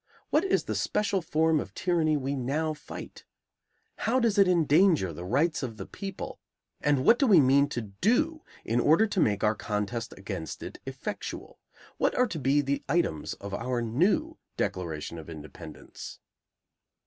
What is the special form of tyranny we now fight? How does it endanger the rights of the people, and what do we mean to do in order to make our contest against it effectual? What are to be the items of our new declaration of independence?